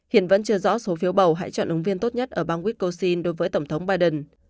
hiện vẫn chưa rõ số phiếu bầu hãy chọn ứng viên tốt nhất ở bang wisconsin đối với tổng thống biden